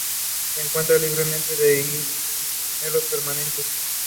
The Oskaloosa managers were William Filley and Red Donahue.